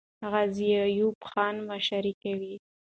غازي ایوب خان مشري کوي.